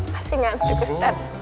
masih ngantuk ustadz